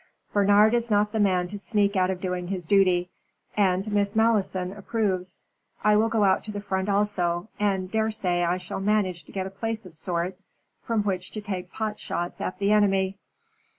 "Bernard is not the man to sneak out of doing his duty. And Miss Malleson approves. I go out to the Front also, and daresay I shall manage to get a place of sorts, from which to take pot shots at the enemy."